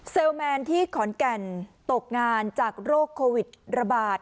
แมนที่ขอนแก่นตกงานจากโรคโควิดระบาด